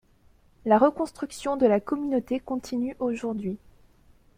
La reconstruction de la communauté continue aujourd'hui.